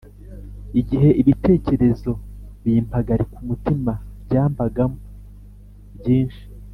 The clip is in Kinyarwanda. Igihe ibitekerezo bimpagarika umutima byambagamo byinshi